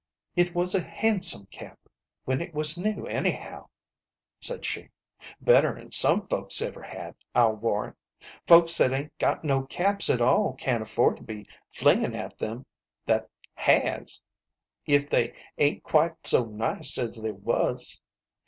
" It was a handsome cap when it was new, anyhow !" said she \ "better'n some folks ever had, I'll warrant. Folks that ain't got no caps at all can't afford to be flingin' at them that has, if they ain't quite so nice as they was.